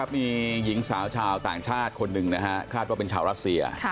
มีหญิงสาวชาวต่างชาติคนหนึ่งคาดว่าเป็นชาวรัสเซีย